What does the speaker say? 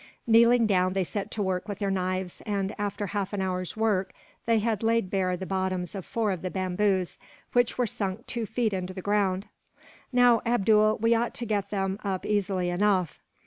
Kneeling down, they set to work with their knives and, after half an hour's work, they had laid bare the bottoms of four of the bamboos, which were sunk two feet into the ground. "Now, Abdool, we ought to get them up easily enough."